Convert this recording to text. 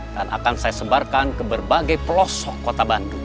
dan akan saya sebarkan ke berbagai pelosok kota bandung